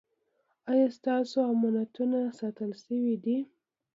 ایا ستاسو امانتونه ساتل شوي دي؟